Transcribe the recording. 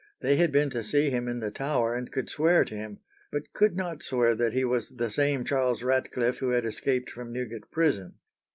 They had been to see him in the Tower, and could swear to him; but could not swear that he was the same Charles Ratcliffe who had escaped from Newgate prison.